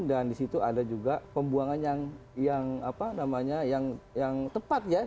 dan di situ ada juga pembuangan yang tepat ya